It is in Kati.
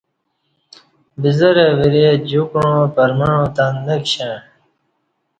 بزہ رہ ورے جوکوع پرمعاں تہ نکشݩع